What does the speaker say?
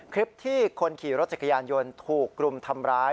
คลิปที่คนขี่รถจักรยานยนต์ถูกกลุ่มทำร้าย